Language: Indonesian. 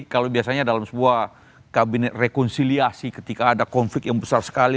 kalau biasanya dalam sebuah kabinet rekonsiliasi ketika ada konflik yang besar sekali